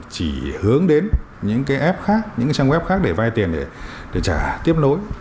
chỉ hướng đến những cái app khác những cái trang web khác để vay tiền để trả tiếp nối